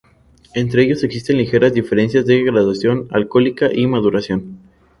Entre ellos existen ligeras diferencias de graduación alcohólica y maduración.